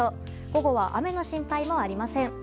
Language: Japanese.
午後は雨の心配もありません。